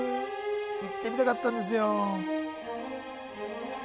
行ってみたかったんですよ。